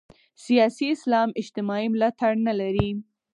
سیاسي اسلام اجتماعي ملاتړ نه لري.